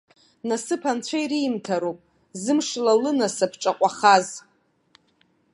Насыԥ анцәа иримҭароуп, зымшала лынасыԥ ҿаҟәахаз!